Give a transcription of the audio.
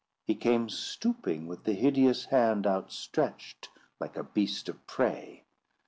He came stooping, with the hideous hand outstretched, like a beast of prey.